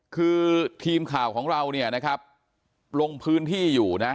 คือทีมข่าวของเราเนี่ยนะครับลงพื้นที่อยู่นะ